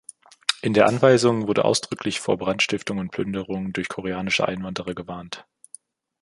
In der Anweisung wurde ausdrücklich vor Brandstiftung und Plünderungen durch koreanische Einwanderer gewarnt.